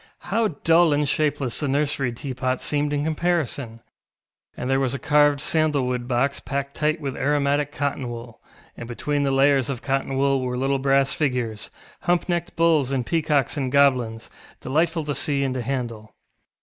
How dull and shapeless the nursery teapot seemed in comparison! And there was a carved sandal wood box packed tight with aromatic cotton wool, and between the layers of cotton wool were little brass figures, hump necked bulls, and peacocks and goblins, delightful to see and to handle.